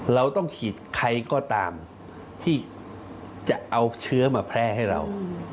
เราต้องขีดใครก็ตามที่จะเอาเชื้อมาแพร่ให้เรา